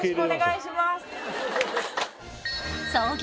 創業